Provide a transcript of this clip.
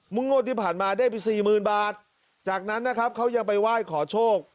งวดที่ผ่านมาได้ไปสี่หมื่นบาทจากนั้นนะครับเขายังไปไหว้ขอโชค